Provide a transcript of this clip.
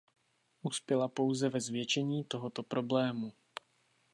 Uspěla pouze ve zvětšení tohoto problému.